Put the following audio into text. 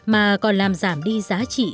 mà còn làm giảm đi giá trị